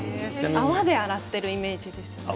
泡で洗っているイメージです。